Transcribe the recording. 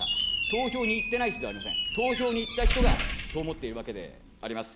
投票に行ってない人ではありません、投票に行った人が、そう思っているわけであります。